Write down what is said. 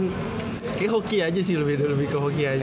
kayaknya hoki aja sih lebih ke hoki aja